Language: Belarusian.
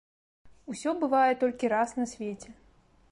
Усё бывае толькі раз на свеце.